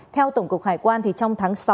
theo tổng cục hải quan trong tháng sáu